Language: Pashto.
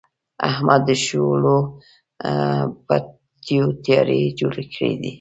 احمد د شولو پټیو تپیاري جوړې کړې.